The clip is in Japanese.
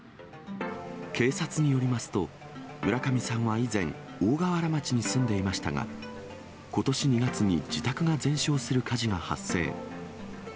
警察によりますと、村上さんは以前、大河原町に住んでいましたが、ことし２月に自宅が全焼する火事が発生。